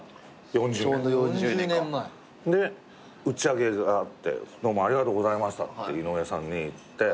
４０年前。で打ち上げがあって「どうもありがとうございました」っていのうえさんに言って。